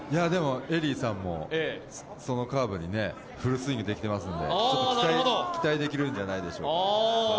ＥＬＬＹさんも、そのカーブにフルスイングできていますので、ちょっと期待できるんじゃないでしょうか。